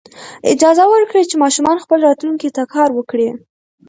اجازه ورکړئ چې ماشومان خپلې راتلونکې ته کار وکړي.